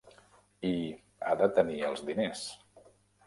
I, ha de tenir els diners.